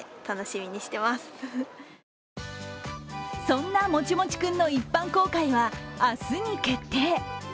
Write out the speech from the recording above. そんなもちもち君の一般公開は明日に決定。